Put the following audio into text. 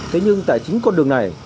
thế nhưng tại chính con đường này